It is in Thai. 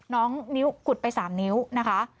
น้องกุดไป๓นิ้วนะคะ